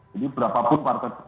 jadi berapapun partai